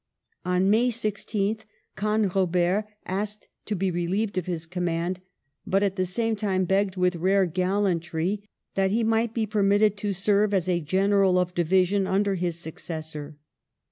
On May 16th Canrobert asked to be relieved of his command, Pelissier but at the same time begged with rare gallantry, that he might be canr^obert permitted to serve as a General of Division under his successor.